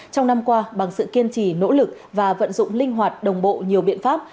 trong năm qua bằng sự kiên trì nỗ lực và vận dụng linh hoạt đồng bộ nhiều biện pháp